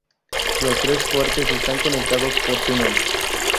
Los tres fuertes están conectados por túneles.